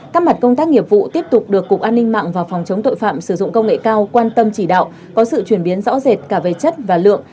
các mặt công tác nghiệp vụ tiếp tục được cục an ninh mạng và phòng chống tội phạm sử dụng công nghệ cao quan tâm chỉ đạo có sự chuyển biến rõ rệt cả về chất và lượng